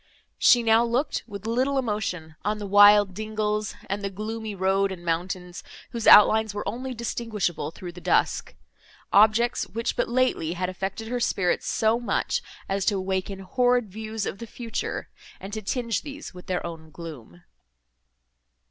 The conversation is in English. She now looked, with little emotion, on the wild dingles, and the gloomy road and mountains, whose outlines were only distinguishable through the dusk;—objects, which but lately had affected her spirits so much, as to awaken horrid views of the future, and to tinge these with their own gloom.